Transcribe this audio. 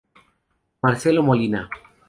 Marcelo Molina